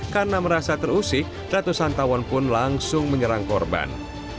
karena merasa terusik ratusan tawon pun langsung menyerang korban